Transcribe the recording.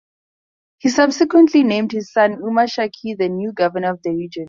He subsequently named his son Umar Shaikh the new governor of the region.